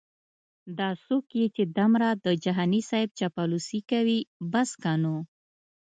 دا څوک یې چې دمره د جهانې صیب چاپلوسې کوي بس که نو